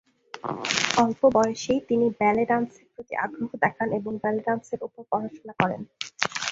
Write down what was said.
অল্প বয়সেই তিনি ব্যালে-ড্যান্সের প্রতি আগ্রহ দেখান এবং ব্যালে-ড্যান্সের উপর পড়াশুনা করেন।